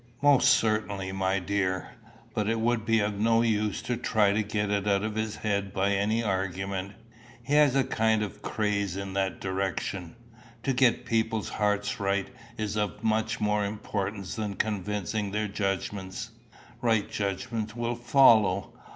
"Most certainly, my dear. But it would be of no use to try to get it out of his head by any argument. He has a kind of craze in that direction. To get people's hearts right is of much more importance than convincing their judgments. Right judgment will follow.